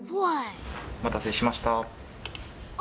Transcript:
お待たせしました。